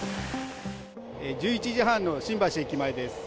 １１時半の新橋駅前です。